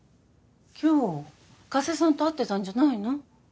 今日加瀬さんと会ってたんじゃないの？